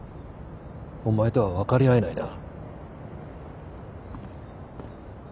お前とは分かり合えないな。